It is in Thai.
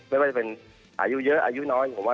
ไม่ว่าจะเป็นอายุเยอะอายุน้อยผมว่า